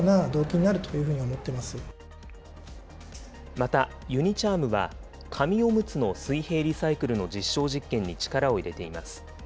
またユニ・チャームは、紙おむつの水平リサイクルの実証実験に力を入れています。